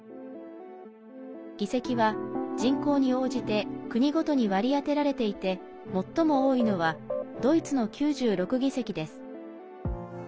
議席は人口に応じて国ごとに割り当てられていて最も多いのはドイツの９６議席です。